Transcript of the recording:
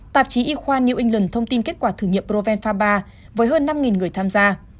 tạp chí y khoa new england thông tin kết quả thử nghiệm proven fa ba với hơn năm người tham gia